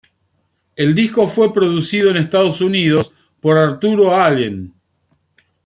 El disco fue producido en Estados Unidos por Arturo Allen.